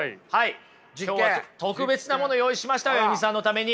今日は特別なもの用意しましたＡＹＵＭＩさんのために。